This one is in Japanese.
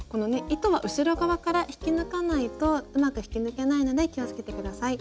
糸は後ろ側から引き抜かないとうまく引き抜けないので気をつけて下さい。